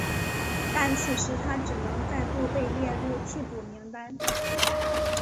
但此时他只能再度被列入替补名单。